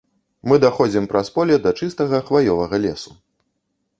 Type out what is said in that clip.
Мы даходзім праз поле да чыстага хваёвага лесу.